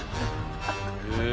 へえ！